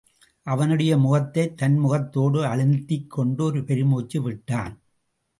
அவனுடைய முகத்தைத் தன் முகத்தோடு அழுத்திக் கொண்டு ஒரு பெருமூச்சு விட்டான்.